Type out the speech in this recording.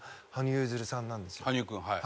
羽生君はい。